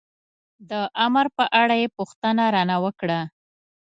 د امر په اړه یې پوښتنه را نه وکړه.